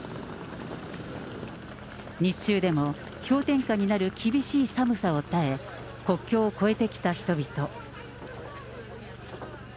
氷点下になる厳しい寒さを耐え、国境を越えてきた人々。